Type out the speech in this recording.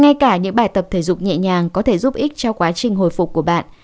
ngay cả những bài tập thể dục nhẹ nhàng có thể giúp ích cho quá trình hồi phục của bạn